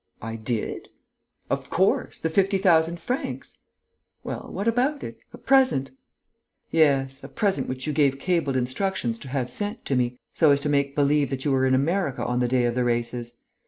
"I did?..." "Of course.... The fifty thousand francs...." "Well, what about it? A present...." "Yes, a present which you gave cabled instructions to have sent to me, so as to make believe that you were in America on the day of the races.